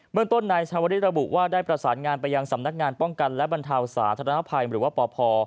เมืองต้นนายชาวริสระบุว่าได้ประสานงานไปยังสำนักงานป้องกันและบรรเทาสาธารณภัยหรือว่าปพ